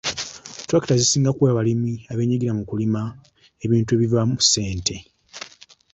Ttulakita zisinga kuweebwa balimi abeenyigira mu kulima ebintu ebivaamu ssente.